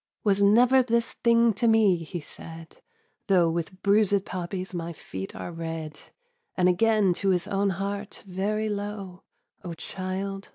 "Was never this thing to me," he said, "Though with bruisèd poppies my feet are red!" And again to his own heart very low: "O child!